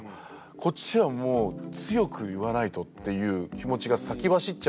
こっちはもう強く言わないとっていう気持ちが先走っちゃう。